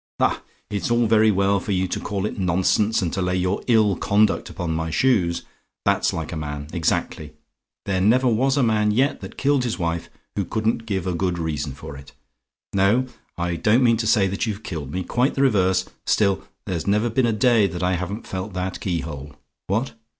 "Ha! it's all very well for you to call it nonsense; and to lay your ill conduct upon my shoes. That's like a man, exactly! There never was a man yet that killed his wife, who couldn't give a good reason for it. No: I don't mean to say that you've killed me: quite the reverse: still there's never been a day that I haven't felt that key hole. What?